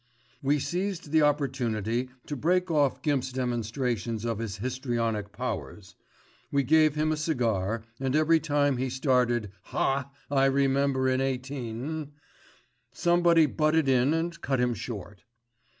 We seized the opportunity to break off Gimp's demonstrations of his histrionic powers. We gave him a cigar, and every time he started "Haaa! I remember in 18——" somebody butted in and cut him short.